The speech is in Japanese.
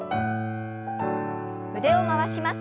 腕を回します。